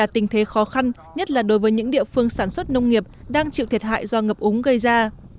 tình thế khó khăn nhất là đối với những địa phương sản xuất nông nghiệp đang chịu thiệt hại do ngập úng gây ra